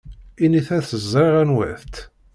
Init-as ẓriɣ anwa-tt.